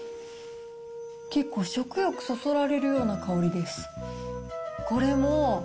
結構、食欲をそそられるような香りです。